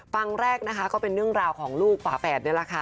ฟังแรกนะคะก็เป็นเรื่องราวของลูกฝาแฝดนี่แหละค่ะ